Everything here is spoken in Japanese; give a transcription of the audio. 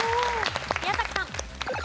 宮崎さん。